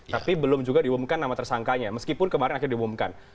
tapi belum juga diumumkan nama tersangkanya meskipun kemarin akhirnya diumumkan